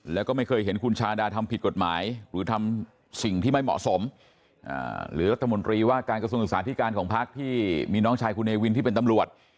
แล้วก็ไม่เคยเห็นคุณชาดาทำผิดกฎหมายหรือทำสิ่งที่ไม่เหมาะสมหรือรัฐมนตรีว่าการกระทรวงศึกษาธิการของพักที่มีน้องชายคุณเนวินที่เป็นตำรวจ